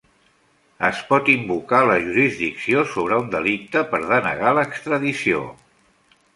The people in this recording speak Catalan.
Es pot invocar la jurisdicció sobre un delicte per denegar l'extradició.